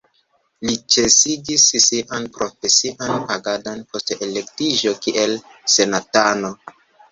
Li ĉesigis sian profesian agadon post elektiĝo kiel senatano.